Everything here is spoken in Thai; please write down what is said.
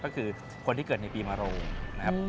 ก็คือคนที่เกิดในปีมโรงนะครับ